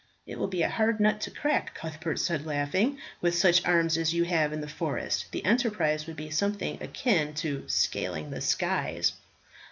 "It will be a hard nut to crack," Cuthbert said, laughing. "With such arms as you have in the forest the enterprise would be something akin to scaling the skies."